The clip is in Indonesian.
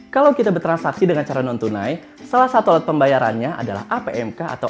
kalau kita bertransaksi dengan cara non tunai salah satu alat pembayarannya adalah apmk atau